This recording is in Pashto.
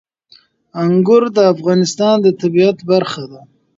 انګور د افغانستان د طبیعت برخه ده.